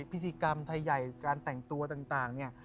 ทฤษีกรรมไทยไยต่างเนี่ย